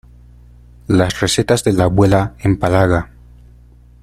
Las recetas de la abuela empalaga.